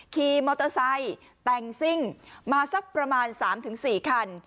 ขี่มอเตอร์ไซค์แต่งซิ่งมาสักประมาณ๓๔คัน